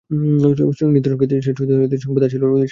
নৃত্যগীত শেষ হইতে না হইতেই সংবাদ আসিল সম্রাটসৈন্য নিকটবর্তী হইয়াছে।